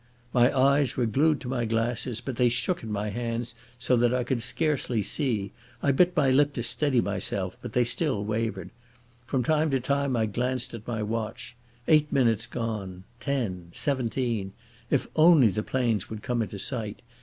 My eyes were glued to my glasses, but they shook in my hands so that I could scarcely see. I bit my lip to steady myself, but they still wavered. From time to time I glanced at my watch. Eight minutes gone—ten—seventeen. If only the planes would come into sight!